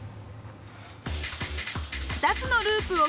２つのループをクリア。